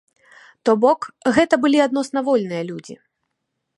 То бок, гэта былі адносна вольныя людзі.